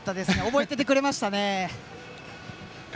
覚えててくれましたね。